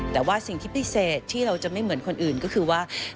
แต่ว่าสิ่งที่พิเศษที่เราจะไม่เหมือนคนอื่นก็คือว่า